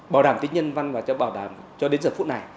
bảo đảm tính nhân văn và bảo đảm cho đến giờ phút này